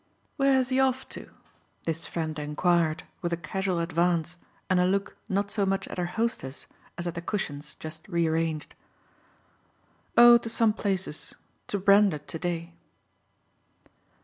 "Where's he off to?" this friend enquired with a casual advance and a look not so much at her hostess as at the cushions just rearranged. "Oh to some places. To Brander to day."